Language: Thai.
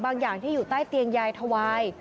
อย่างที่อยู่ใต้เตียงยายถวาย